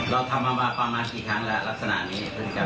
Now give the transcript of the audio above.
เราทำมาประมาณกี่ครั้งแล้วลักษณะนี้